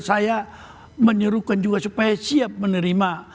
saya menyuruhkan juga supaya siap menerima